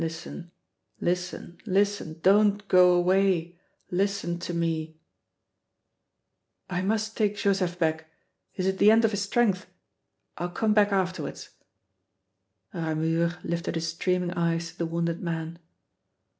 Listen, listen, listen, don't go away, listen to me " "I must take Joseph back he's at the end of his strength. I'll come back afterwards." Ramure lifted his streaming eyes to the wounded man.